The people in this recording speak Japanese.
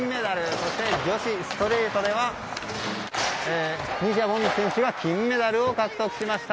そして女子ストリートでは西矢椛選手が金メダルを獲得しました。